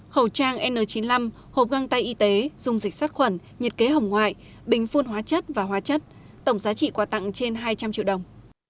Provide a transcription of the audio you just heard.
khẩu trang n chín mươi năm hộp găng tay y tế dung dịch sát khuẩn nhiệt kế hồng ngoại bình phun hóa chất và hóa chất tổng giá trị quà tặng trên hai trăm linh triệu đồng